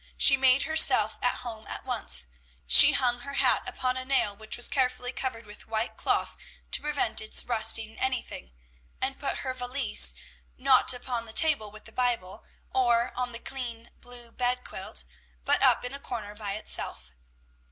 She made herself at home at once. She hung her hat upon a nail which was carefully covered with white cloth to prevent its rusting anything, and put her valise, not upon the table with the Bible, or on the clean, blue bed quilt, but up in a corner by itself.